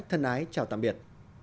thân ái chào tạm biệt